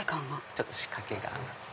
ちょっと仕掛けがあって。